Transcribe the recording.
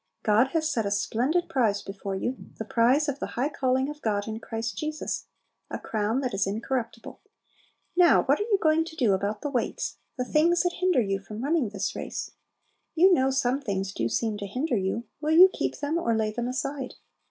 God has set a splendid prize before you, "the prize of the high calling of God in Christ Jesus," a crown that is incorruptible. Now what are you going to do about the weights, the things that hinder you from running this race? You know some things do seem to hinder you; will you keep them or lay them aside?